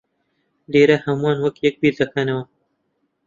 لێرە ھەموومان وەک یەک بیردەکەینەوە.